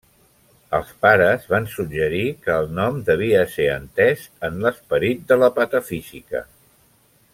Els pares van suggerir que el nom devia ser entès en l'esperit de la patafísica.